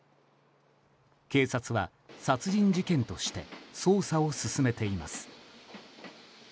警察は殺人事件として捜査を進めています。